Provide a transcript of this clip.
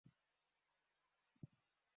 তার মতো হও?